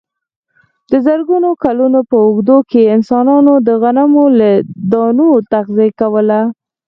د زرګونو کلونو په اوږدو کې انسانانو د غنمو له دانو تغذیه کوله.